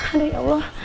aduh ya allah